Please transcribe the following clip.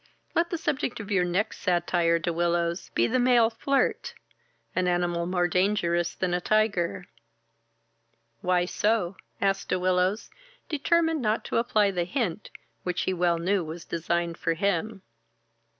Let the subject of your next satire, De Willows, be the male flirt, an animal more dangerous than a tyger." "Why so?" asked De Willows, determined not to apply the hint which he well knew was designed for him.